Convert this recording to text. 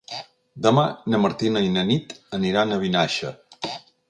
Demà na Martina i na Nit aniran a Vinaixa.